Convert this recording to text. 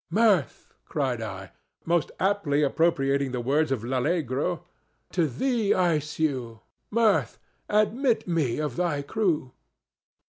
"'Mirth,'" cried I, most aptly appropriating the words of L'Allegro, "'to thee I sue! Mirth, admit me of thy crew!